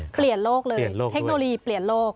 เปลี่ยนโลกเลยเทคโนโลยีเปลี่ยนโลก